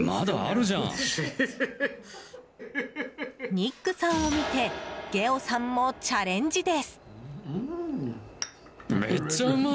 ニックさんを見てゲオさんもチャレンジです。